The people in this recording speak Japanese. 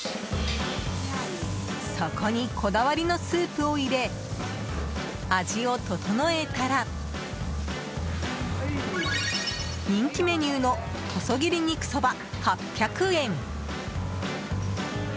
そこに、こだわりのスープを入れ味を調えたら人気メニューの細切り肉そば、８００円。